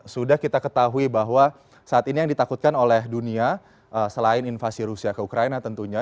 sudah kita ketahui bahwa saat ini yang ditakutkan oleh dunia selain invasi rusia ke ukraina tentunya